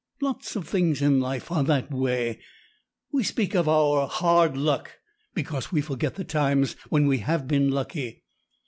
Lots of things in life are that way. We speak of our 'hard luck' because we forget the times when we have been lucky.